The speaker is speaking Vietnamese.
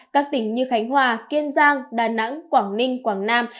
các tỉnh như khánh hòa kiên giang đà nẵng quảng ninh quảng nam